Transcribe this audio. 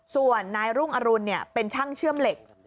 ส่วนนายรุ่งอรุณเป็นช่างเชื่อมเหล็ก